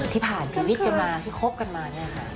ที่ผ่านชีวิตกันมาที่คบกันมาเนี่ยค่ะ